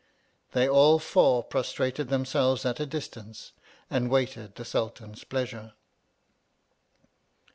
They all four prostrated themselves at a distance, and waited the Sul tan's pleasure.